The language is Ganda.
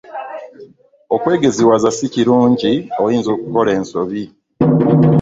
Okwegeziwaza si kirungi oyinza okukola ensobi.